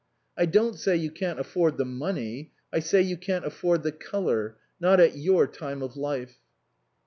"I don't say you can't afford the money, I say you can't afford the colour not at your time of life."